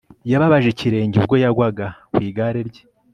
Yababaje ikirenge ubwo yagwaga ku igare rye